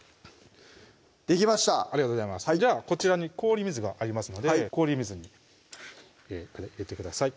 できましたありがとうございますじゃあこちらに氷水がありますので氷水に入れてください